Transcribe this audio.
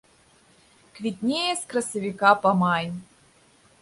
Квітнее з красавіка па май.